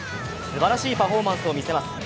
すばらしいパフォーマンスを見せます。